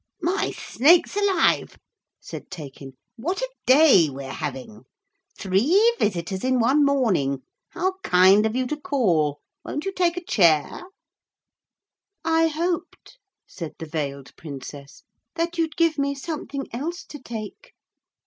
'My snakes alive!' said Taykin, 'what a day we're having. Three visitors in one morning. How kind of you to call. Won't you take a chair?' 'I hoped,' said the veiled Princess, 'that you'd give me something else to take.'